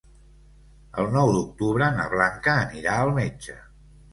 El nou d'octubre na Blanca anirà al metge.